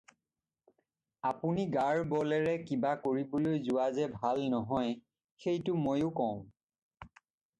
আপুনি গাৰ বলেৰে কিবা কৰিবলৈ যোৱা যে ভাল নহয়, সেইটো ময়ো কওঁ।